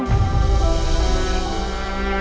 tante aku ingin tahu